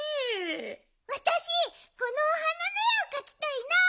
わたしこのお花のえをかきたいな！